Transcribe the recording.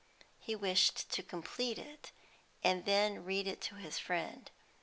He wished to complete it, and then read it to his friend.